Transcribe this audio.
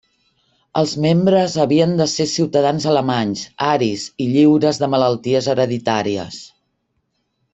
Els membres havien de ser ciutadans alemanys, aris, i lliures de malalties hereditàries.